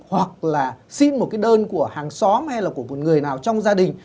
hoặc là xin một cái đơn của hàng xóm hay là của một người nào trong gia đình